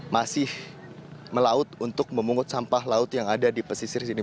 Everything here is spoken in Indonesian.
masih melaut untuk memungut sampah laut yang ada di pesisir sini